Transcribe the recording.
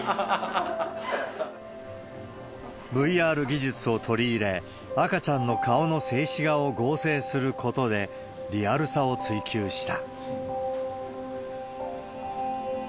ＶＲ技術を取り入れ、赤ちゃんの顔の静止画を合成することで、リアルさを追求した。